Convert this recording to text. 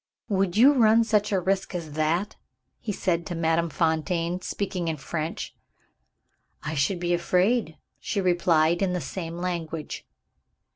"Would you run such a risk as that?" he said to Madame Fontaine, speaking in French. "I should be afraid," she replied in the same language.